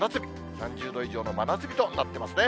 ３０度以上の真夏日となっていますね。